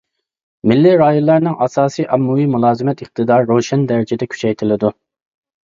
مىللىي رايونلارنىڭ ئاساسىي ئاممىۋى مۇلازىمەت ئىقتىدارى روشەن دەرىجىدە كۈچەيتىلىدۇ.